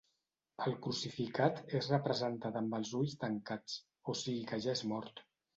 El crucificat és representat amb els ulls tancats, o sigui que ja és mort.